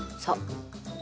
そう。